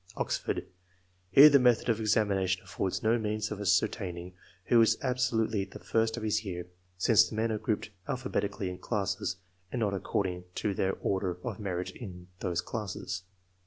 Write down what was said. Oxford : here the method of examination affcHrds no means of ascertaining who is absolutely the first of his year, since the men are grouped alphabetically in classes, and not according to their order of merit in those classes.